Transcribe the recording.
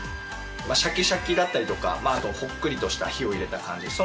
シャキシャキだったりとかあとほっくりとした火を入れた感じ。